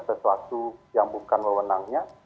sesuatu yang bukan wewenangnya